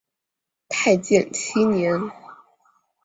太建七年。